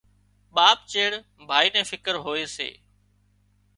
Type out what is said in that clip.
ٻاپ چيڙ ڀائي نين فڪر هوئي سي